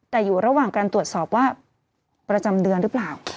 แต่อยู่ระหว่างการตรวจสอบว่าประจำเดือนหรือเปล่า